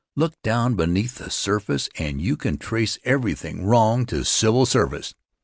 Look down beneath the surface and you can trace everything wrong to civil service.